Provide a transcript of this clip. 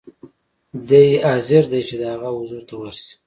دی حاضر دی چې د هغه حضور ته ورسي.